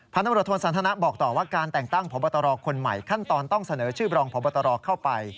ตำรวจโทษสันทนะบอกต่อว่าการแต่งตั้งพบตรคนใหม่ขั้นตอนต้องเสนอชื่อบรองพบตรเข้าไป